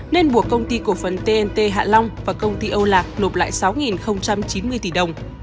nên buộc công ty cổ phần tnt hạ long và công ty âu lạc nộp lại sáu chín mươi tỷ đồng